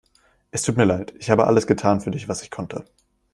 Es tut mir leid, ich habe alles getan für dich was ich konnte.